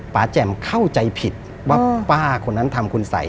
แจ่มเข้าใจผิดว่าป้าคนนั้นทำคุณสัย